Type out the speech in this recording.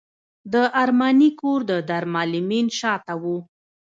د ارماني کور د دارالمعلمین شاته و.